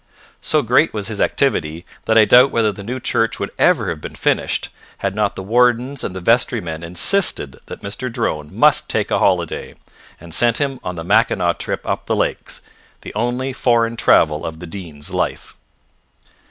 So great was his activity, that I doubt whether the new church would ever have been finished, had not the wardens and the vestry men insisted that Mr. Drone must take a holiday, and sent him on the Mackinaw trip up the lakes, the only foreign travel of the Dean's life.